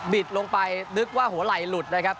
ลงไปนึกว่าหัวไหล่หลุดนะครับ